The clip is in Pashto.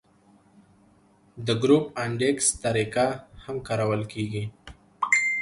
د ګروپ انډیکس طریقه هم کارول کیږي